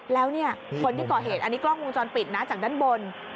แล้วเนี่ยคนที่ก่อเหตุอันนี้กล้องวงจรปิดนะจากด้านบน